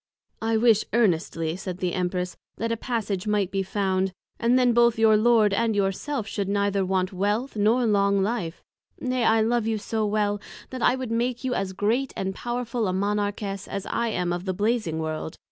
I wish earnestly, said the Empress, that a Passage might be found, and then both your Lord and your self, should neither want Wealth, nor Long life: nay, I love you so well, that I would make you as Great and Powerful a Monarchess, as I am of the Blazing World.